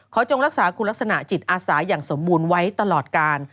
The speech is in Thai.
จงรักษาคุณลักษณะจิตอาสาอย่างสมบูรณ์ไว้ตลอดการ